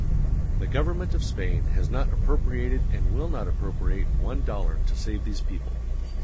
The government of Spain has not appropriated and will not appropriate one dollar to save these people.